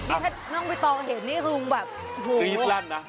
นี่ถ้าน้องใบตองเห็นนี่คือแบบกรี๊ดลั่นนะ